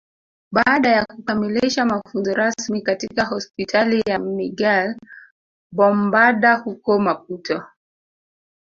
Baada ya kukamilisha mafunzo rasmi katika Hospitali ya Miguel Bombarda huko Maputo